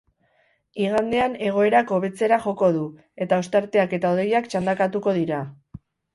Igandean egoerak hobetzera joko du, eta ostarteak eta hodeiak txandakatuko dira.